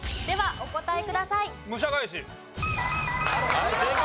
はい正解。